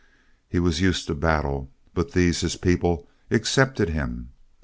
He was used to battle; but these, his people, accepted him.